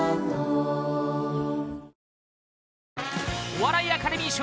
お笑いアカデミー賞